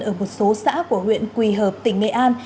ở một số xã của huyện quỳ hợp tỉnh nghệ an